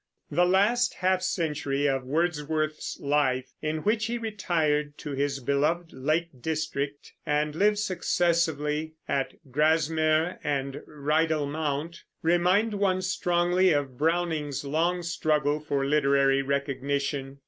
The last half century of Wordsworth's life, in which he retired to his beloved lake district and lived successively at Grasmere and Rydal Mount, remind one strongly of Browning's long struggle for literary recognition.